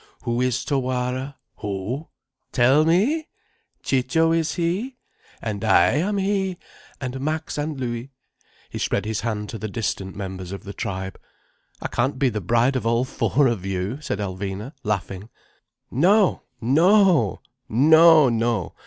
Who is Tawara? Who? Tell me! Ciccio is he—and I am he—and Max and Louis—" he spread his hand to the distant members of the tribe. "I can't be the bride of all four of you," said Alvina, laughing. "No—no! No—no!